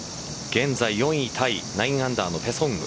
現在４位タイ９アンダーのペ・ソンウ。